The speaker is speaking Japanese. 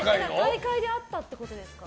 大会で会ったってことですか？